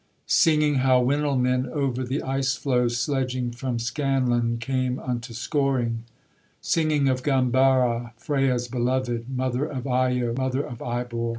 Singing how Winil men, Over the ice floes Sledging from Scanland Came unto Scoring; Singing of Gambara, Freya's beloved, Mother of Ayo, Mother of Ibor.